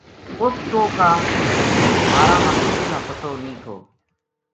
اُس ٹوہ کا بارہ ما کسے نا پتو نیہہ تھو